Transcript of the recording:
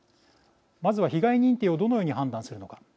まずは、被害認定をどのように判断するのか。